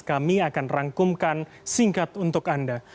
kami akan rangkumkan singkat untuk anda